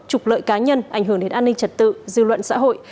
trục lợi cá nhân ảnh hưởng đến an ninh trật tự dư luận xã hội